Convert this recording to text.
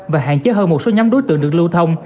và hạn chế hơn một số nhóm đối tượng được lưu thông